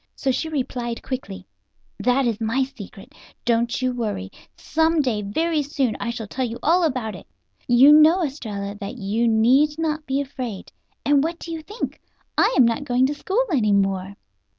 So she replied quickly: "That is my secret. But don't you worry. Some day, very soon, I shall tell you all about it. You know, Estralla, that you need not be afraid. And what do you think! I am not going to school any more."